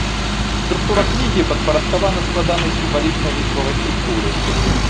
Структура кнігі падпарадкавана складанай сімвалічнай лічбавай структуры.